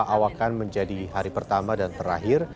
awakan menjadi hari pertama dan terakhir